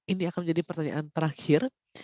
ini akan menjadi pertanyaan terakhir